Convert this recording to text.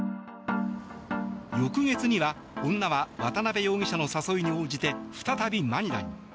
翌月には、女は渡邉容疑者の誘いに応じて再びマニラに。